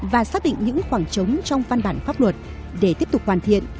và xác định những khoảng trống trong văn bản pháp luật để tiếp tục hoàn thiện